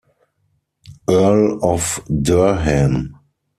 Earl of Durham.